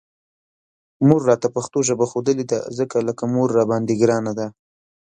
مور راته پښتو ژبه ښودلې ده، ځکه لکه مور راباندې ګرانه ده